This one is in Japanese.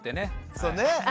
そうねっ。